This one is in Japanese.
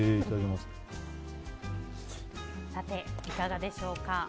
さて、いかがでしょうか。